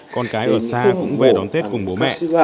con cái ở xa cũng về đón tết cùng bố mẹ